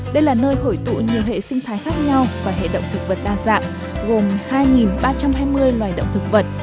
đây là nơi hội tụ nhiều hệ sinh thái khác nhau và hệ động thực vật đa dạng gồm hai ba trăm hai mươi loài động thực vật